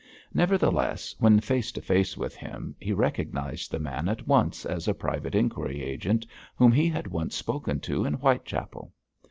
Nevertheless, when face to face with him, he recognised the man at once as a private inquiry agent whom he had once spoken to in Whitechapel.